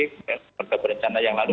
perkebunan berencana yang lalu